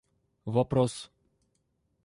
вопрос